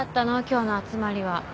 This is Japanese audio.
今日の集まりは。